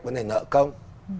vấn đề nợ công